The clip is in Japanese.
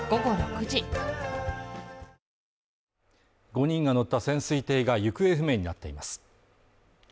５人が乗った潜水艇が行方不明になっています。